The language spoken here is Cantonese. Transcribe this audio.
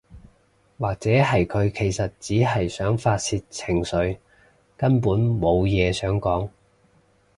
或者係佢其實只係想發洩情緒，根本無嘢想講